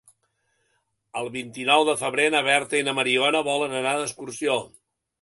El vint-i-nou de febrer na Berta i na Mariona volen anar d'excursió.